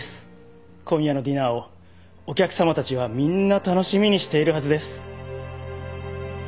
今夜のディナーをお客さまたちはみんな楽しみにしているはずです。